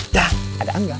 dah ada anggar